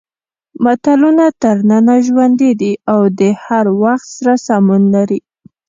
متلونه تر ننه ژوندي دي او د هر وخت سره سمون لري